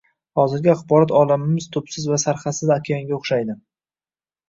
Hozirgi axborot olamimiz tubsiz va sarhadsiz okeanga o`xshaydi